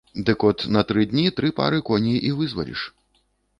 Дык от на тры дні тры пары коней і вызваліш.